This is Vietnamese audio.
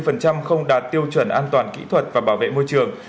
hơn chín bốn không đạt tiêu chuẩn an toàn kỹ thuật và bảo vệ môi trường